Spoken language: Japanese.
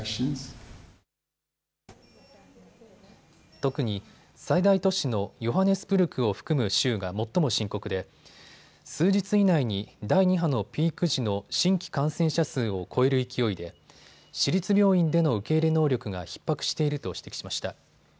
特に最大都市のヨハネスブルクを含む州が最も深刻で数日以内に第２波のピーク時の新規感染者数を超える勢いで私立病院での受け入れ能力がひっ迫していると指摘しました。